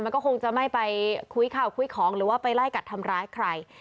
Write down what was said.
มันก็คงจะไม่ไปคุยข่าวคุยของหรือว่าไปไล่กัดทำร้ายใคร